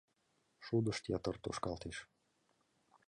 Шудышт ятыр тошкалтеш.